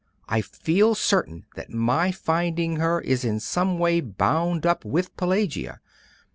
I feel certain that my finding her is in some way bound up with Pelagia.